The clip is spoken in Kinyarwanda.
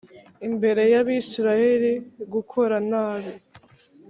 imbere y Abisirayeli gukora nabi